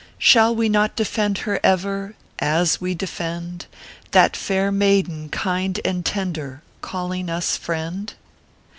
Shall we not defend her ever As we d defend That fair maiden, kind and tender, Calling us friend?